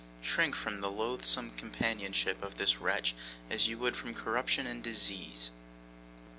Shrink from the loathsome companionship of this wretch as you would from corruption and disease.